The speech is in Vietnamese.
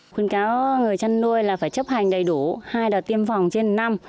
quyên cáo người chăn nuôi là phải chấp hành đầy đủ hai đợt tiêm phòng trên một năm